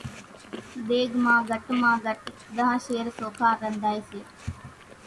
ۮيڳ مان گھٽ مان گھٽ ۮۿ شير سوکا رنڌائيَ سي۔